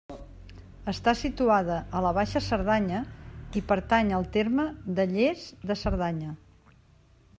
Està situada a la Baixa Cerdanya i pertany al terme de Lles de Cerdanya.